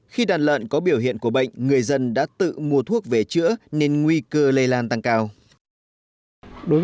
khi đàn lợn có biểu hiện của bệnh người dân đã tự mua thuốc về chữa nên nguy cơ lây lan tăng cao